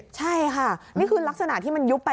ใช่ค่ะนี่คือลักษณะที่มันยุบไป